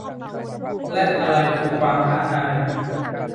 และอะไรคือความท้าทาย